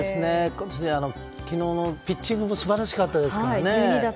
昨日のピッチングも素晴らしかったですけどね。